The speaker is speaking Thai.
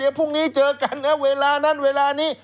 เดี๋ยวพรุ่งนี้เจอกันนะเวลานั้นเวลานี้